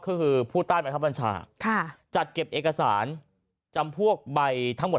ก็คือผู้ใต้บังคับบัญชาจัดเก็บเอกสารจำพวกใบทั้งหมด